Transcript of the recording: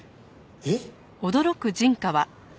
えっ？